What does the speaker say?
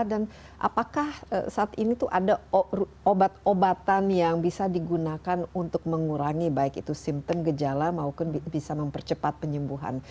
dan apakah saat ini tuh ada obat obatan yang bisa digunakan untuk mengurangi baik itu simptom gejala maupun bisa mempercepat penyembuhan